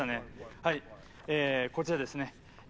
はい、こちらですね。